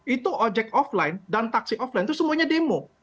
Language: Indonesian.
itu ojek offline dan taksi online itu semuanya demo